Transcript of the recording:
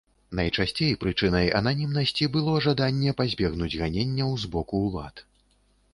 Найчасцей прычынай ананімнасці было жаданне пазбегнуць ганенняў з боку ўлад.